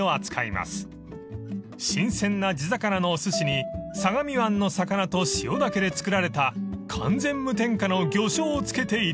［新鮮な地魚のおすしに相模湾の魚と塩だけで造られた完全無添加の魚醤をつけて頂く］